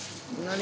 何？